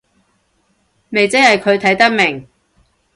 咪即係佢睇得明